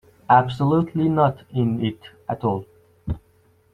Absolutely not in it at all.